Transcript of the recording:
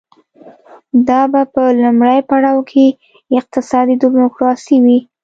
دا به په لومړي پړاو کې اقتصادي ډیموکراسي وي